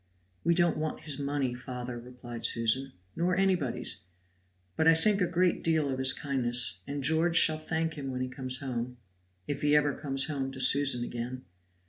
"We don't want his money, father," replied Susan, "nor anybody's; but I think a great deal of his kindness, and George shall thank him when he comes home if ever he comes home to Susan again."